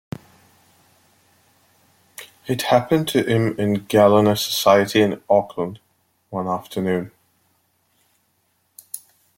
It happened to him at the Gallina Society in Oakland one afternoon.